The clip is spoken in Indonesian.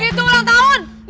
itu ulang tahun